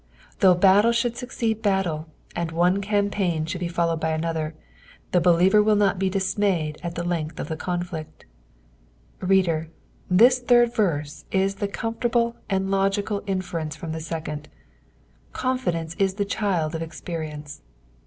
Though battle should succeed battle, and one campaign should be followed by another, the believer will not be dismayed at the length of the conflict. Header, this third verse is the comfortable and logical inference from the second, confidence ia the child of experience.